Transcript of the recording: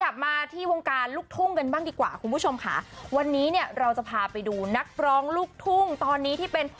กลับมาที่วงการลูกทุ่งกันบ้างดีกว่าคุณผู้ชมค่ะวันนี้เนี่ยเราจะพาไปดูนักร้องลูกทุ่งตอนนี้ที่เป็น